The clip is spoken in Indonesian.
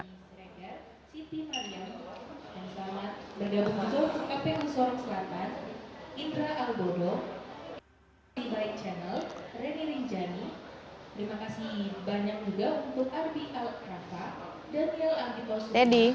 selamat pagi saya rani rijani terima kasih banyak juga untuk arbi al karfa daniel ardi palsu